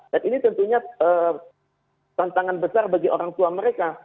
dan ini tentunya tantangan besar bagi orang tua mereka